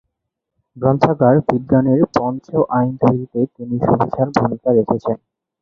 গ্রন্থাগার বিজ্ঞানের পঞ্চ আইন তৈরীতে তিনি সুবিশাল ভূমিকা রেখেছিলেন।